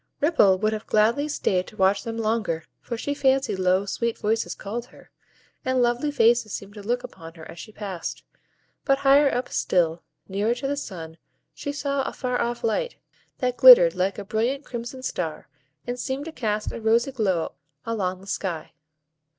Ripple would have gladly stayed to watch them longer, for she fancied low, sweet voices called her, and lovely faces seemed to look upon her as she passed; but higher up still, nearer to the sun, she saw a far off light, that glittered like a brilliant crimson star, and seemed to cast a rosy glow along the sky.